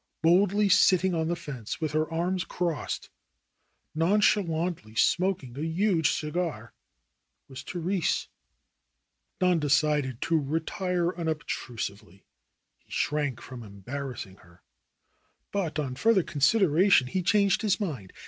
Boldly sitting on the fence with her arms crossed, non chalantly smoking a huge cigar was Therese ! Don decided to retire unobtrusively. He shrank from embarrassing her. But on further consideration he changed his mind.